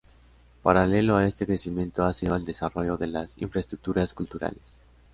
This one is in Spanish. Paralelo a este crecimiento ha sido el desarrollo de las infraestructuras culturales.